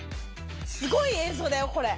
すごい映像だよ、これ。